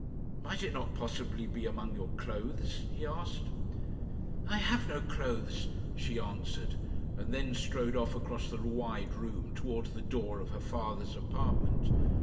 "Might it not possibly be among your clothes?" he asked. "I have no clothes," she answered, and then strode off across the wide room towards the door of her father's apartment.